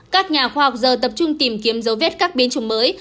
các nhà khoa học giờ tập trung tìm kiếm dấu vết các biến chủng mới